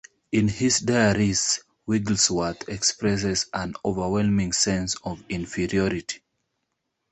In his diaries, Wigglesworth expresses an overwhelming sense of inferiority.